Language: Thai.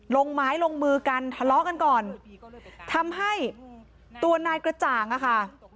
ลงไม้ลงมือกันทะเลาะกันก่อนทำให้ตัวนายกระจ่างอะค่ะ